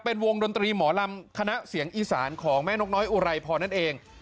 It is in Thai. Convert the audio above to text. เป็นวงดนตรีหมอลำคณะเสียงอีสานของแม่นกน้อยอุไรพรนั่นเอง